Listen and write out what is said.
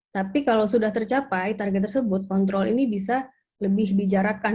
tapi kalau sudah tercapai target tersebut kontrol ini bisa lebih dijarakan